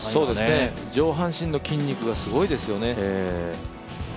上半身の筋肉がすごいですよね。